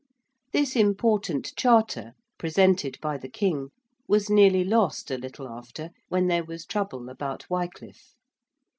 This important Charter, presented by the King, was nearly lost a little after, when there was trouble about Wycliffe.